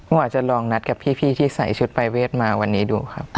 ว่าจะลองนัดกับพี่ที่ใส่ชุดปรายเวทมาวันนี้ดูครับ